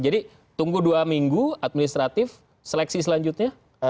jadi tunggu dua minggu administratif seleksi selanjutnya